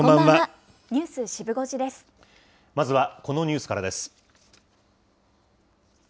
まずはこのニュースからです。